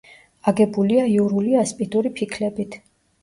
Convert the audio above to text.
აგებულია იურული ასპიდური ფიქლებით.